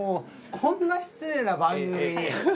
こんな失礼な番組に。